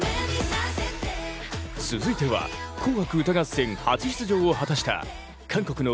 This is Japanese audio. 続いては「紅白歌合戦」初出場を果たした韓国の